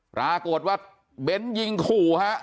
ปรากฏว่าเบ้นท์ยิงขู่ครับ